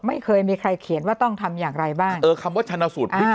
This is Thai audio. ไม่เคยมีใครเขียนว่าต้องทำอย่างไรบ้างเออคำว่าชนะสูตรพลิก